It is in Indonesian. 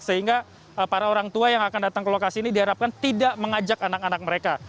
sehingga para orang tua yang akan datang ke lokasi ini diharapkan tidak mengajak anak anak mereka